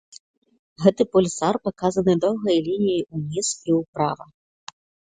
Гэты пульсар паказаны доўгай лініяй уніз і ўправа.